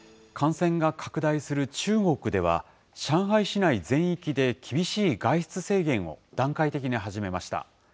感染が拡大する中国では、上海市内全域で厳しい外出制限を段階的に始めました。